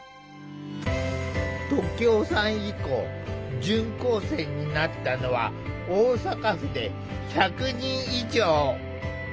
時男さん以降準高生になったのは大阪府で１００人以上。